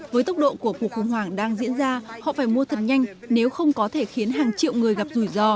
với tốc độ của cuộc khủng hoảng đang diễn ra họ phải mua thật nhanh nếu không có thể khiến hàng triệu người gặp rủi ro